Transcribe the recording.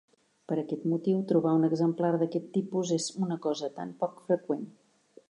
Per aquest motiu trobar un exemplar d'aquest tipus és una cosa tan poc freqüent.